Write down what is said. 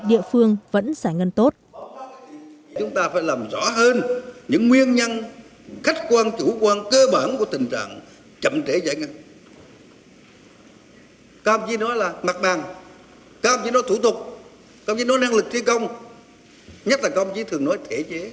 địa phương vẫn giải ngân tốt